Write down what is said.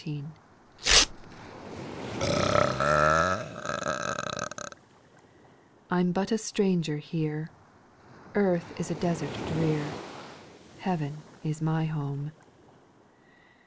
T '31 but a stranger here ; JL Earth is a desert drear, Heaven is my home.